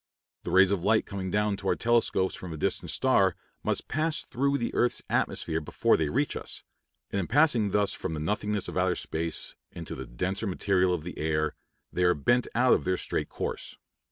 The rays of light coming down to our telescopes from a distant star must pass through the earth's atmosphere before they reach us; and in passing thus from the nothingness of outer space into the denser material of the air, they are bent out of their straight course.